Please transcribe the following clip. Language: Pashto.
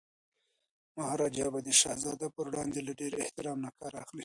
مهاراجا به د شهزاده پر وړاندي له ډیر احترام نه کار اخلي.